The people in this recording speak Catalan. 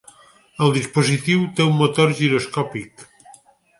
El dispositiu té un motor giroscòpic.